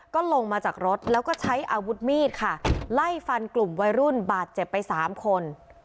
ก็ลงมาจากรถแล้วก็ใช้อาวุธมีดค่ะไล่ฟันกลุ่มวัยรุ่นบาดเจ็บไปสามคน